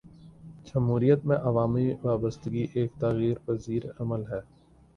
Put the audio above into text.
جمہوریت میں عوامی وابستگی ایک تغیر پذیر عمل ہے۔